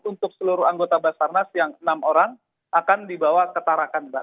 untuk seluruh anggota basarnas yang enam orang akan dibawa ke tarakan mbak